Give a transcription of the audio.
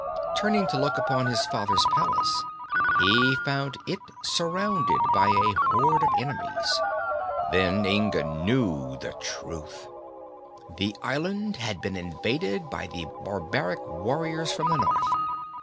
Turning to look upon his father's palace, he found it surrounded by a horde of enemies. Then Inga knew the truth: that the island had been invaded by the barbaric warriors from the north.